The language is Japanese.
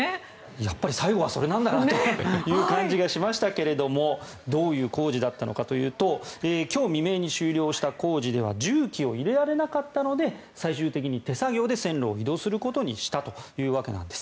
やっぱり最後はそれなんだなという感じがしましたけれどどういう工事だったのかというと今日未明に終了した工事では重機を入れられなかったので最終的に手作業で線路を移動することにしたというわけです。